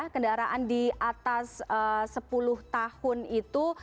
kendaraan di atas sepuluh tahun itu